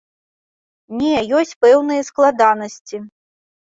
Не, ёсць пэўныя складанасці.